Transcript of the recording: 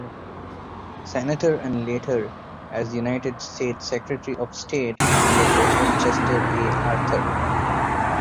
Senator and later as United States Secretary of State under President Chester A. Arthur.